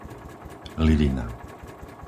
Livina